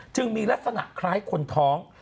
มีลักษณะคล้ายคนท้อง